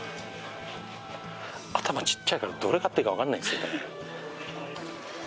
頭ちっちゃいからどれ買ったらいいかわかんないんですけどね。